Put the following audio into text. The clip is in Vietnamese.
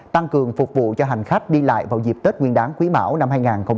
tăng cường phục vụ cho hành khách đi lại vào dịp tết nguyên đáng quý mão năm hai nghìn hai mươi